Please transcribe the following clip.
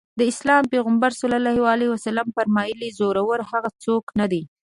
د اسلام پيغمبر ص وفرمايل زورور هغه څوک نه دی.